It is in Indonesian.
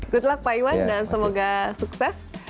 good luck pak iwan dan semoga sukses